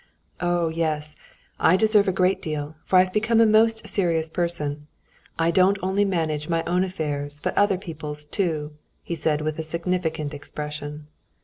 "Oh, yes, I deserve a great deal, for I've become a most serious person. I don't only manage my own affairs, but other people's too," he said, with a significant expression.